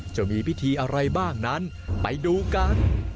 จะมีพิธีอะไรบ้างนั้นไปดูกัน